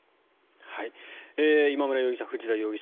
今村容疑者、藤田容疑者